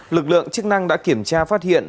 lực lượng chức năng đã kiểm tra phát hiện